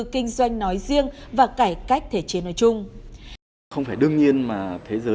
kinh doanh nói riêng và cải cách thể chế nội chung